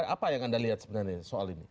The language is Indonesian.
apa yang anda lihat sebenarnya soal ini